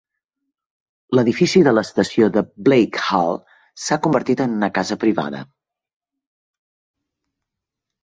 L'edifici de l'estació de Blake Hall s'ha convertit en una casa privada.